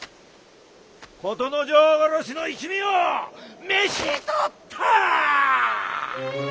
琴之丞殺しの一味を召し捕った！